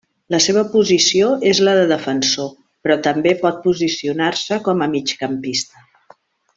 La seva posició és la de defensor, però també pot posicionar-se com a migcampista.